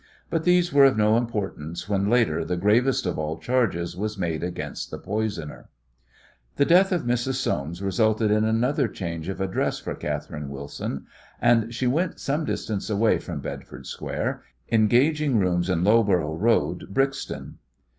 But these were of no importance when later the gravest of all charges was made against the poisoner. The death of Mrs. Soames resulted in another change of address for Catherine Wilson, and she went some distance away from Bedford Square, engaging rooms in Loughborough Road, Brixton.